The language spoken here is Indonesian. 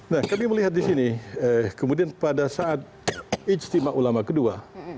nah kami melihat di sini kemudian pada saat ijtima ulama kedua